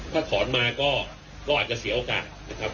ถ้าถอนมาก็อาจจะเสียโอกาสนะครับ